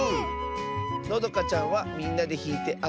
のどかちゃんは「みんなでひいてあそべるね」